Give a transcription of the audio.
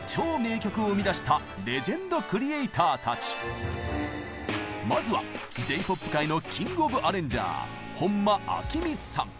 続いてご紹介するのはまずはＪ−ＰＯＰ界のキング・オブ・アレンジャー本間昭光さん。